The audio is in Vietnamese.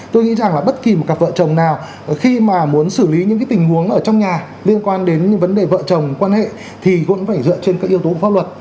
tôi nghĩ rằng là bất kỳ một cặp vợ chồng nào khi mà muốn xử lý những tình huống ở trong nhà liên quan đến vấn đề vợ chồng quan hệ thì cũng phải dựa trên các yếu tố của pháp luật